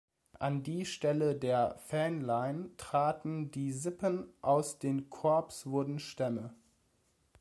An die Stelle der Fähnlein traten die Sippen, aus den Korps wurden Stämme.